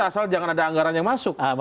asal jangan ada anggaran yang masuk